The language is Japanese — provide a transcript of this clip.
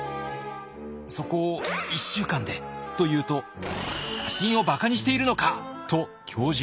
「そこを１週間で」と言うと「写真を馬鹿にしているのか！」と教授はカンカン。